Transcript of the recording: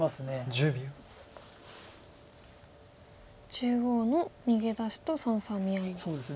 中央の逃げ出しと三々見合いなんですか。